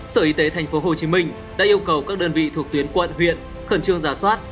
sở y tế tp hcm đã yêu cầu các đơn vị thuộc tuyến quận huyện khẩn trương giả soát